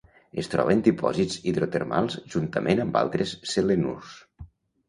Es troba en dipòsits hidrotermals, juntament amb altres selenurs.